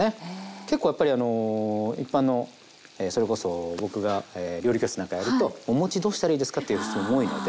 結構やっぱりあの一般のそれこそ僕が料理教室なんかやると「お餅どうしたらいいですか？」っていう質問多いので。